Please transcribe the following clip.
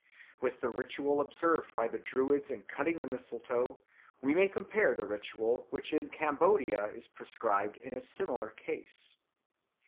With the ritual observed by the Druids in cutting the mistletoe we may compare the ritual which in Cambodia is prescribed in a similar case.